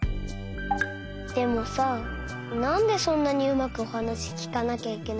でもさなんでそんなにうまくおはなしきかなきゃいけないの？